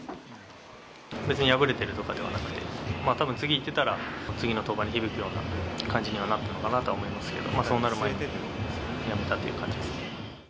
別に破れてるとかではなくて、たぶん次、いってたら、次の登板に響くような感じにはなったのかなとは思いますけど、そうなる前にやめたという感じですね。